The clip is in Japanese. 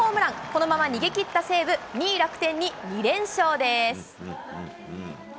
このまま逃げ切った西武、２位楽天に２連勝です。